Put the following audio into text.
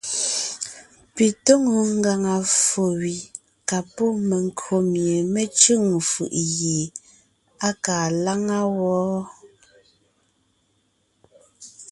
Pi tóŋo ngàŋa ffo gẅi ka pɔ́ menkÿo mie mé cʉ̂ŋ fʉʼ gie á kaa láŋa wɔ́.